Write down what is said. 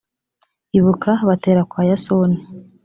ibuka batera kwa yasoni